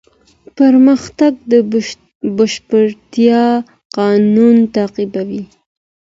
پرمختګ د بشپړتیا قانون تعقیبوي.